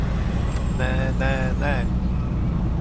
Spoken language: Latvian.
Nē, nē, nē!